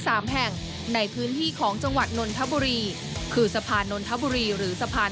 สามแห่งในพื้นที่ของจังหวัดนนทบุรีคือสะพานนนทบุรีหรือสะพาน